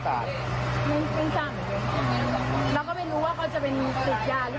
อ๋อทำไมครับอ๋อทำไม